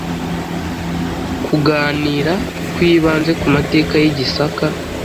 kuganira kwibanze ku mateka y’i Gisaka